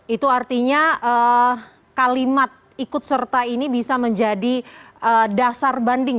itu artinya kalimat ikut serta ini bisa menjadi dasar banding